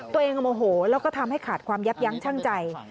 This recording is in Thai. โมโหแล้วก็ทำให้ขาดความยับยั้งชั่งใจ